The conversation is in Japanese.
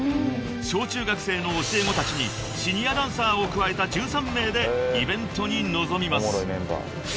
［小中学生の教え子たちにシニアダンサーを加えた１３名でイベントに臨みます］